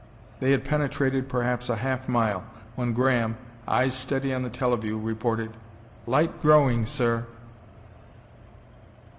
They had penetrated perhaps a half mile when Graham, eyes steady on the teleview, reported: "Light growing, sir!"